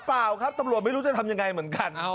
เปล่าครับตำรวจไม่รู้จะทำยังไงเหมือนกัน